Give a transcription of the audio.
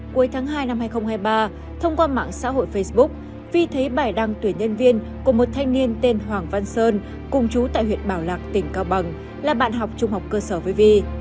cuối tháng hai năm hai nghìn hai mươi ba thông qua mạng xã hội facebook vi thấy bài đăng tuyển nhân viên của một thanh niên tên hoàng văn sơn cùng chú tại huyện bảo lạc tỉnh cao bằng là bạn học trung học cơ sở với vi